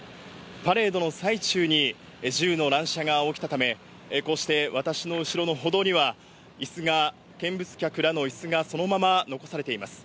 パレードの最中に銃の乱射が起きたため、こうして私の後ろの歩道には椅子が、見物客らの椅子がそのまま残されています。